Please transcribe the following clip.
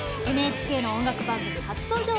ＮＨＫの音楽番組初登場。